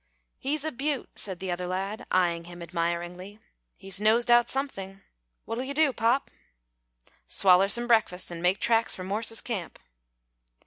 "He's a beaut," said the other lad, eyeing him admiringly. "He's nosed out something. What'll you do, pop?" "Swaller some breakfast an' make tracks for Morse's camp."